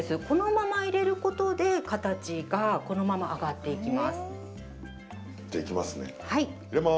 このまま入れることで形がこのまま揚がっていきます。